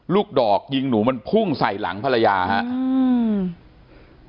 ลูกดอกยิงหนูมันพุ่งใส่หลังภรรยาฮะอืม